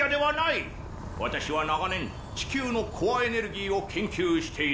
ワタシは長年地球のコアエネルギーを研究している。